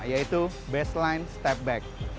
yaitu baseline step back